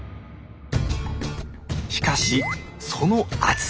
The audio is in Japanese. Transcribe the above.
しかしその厚さ。